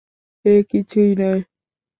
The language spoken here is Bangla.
এ কিছুই নয়!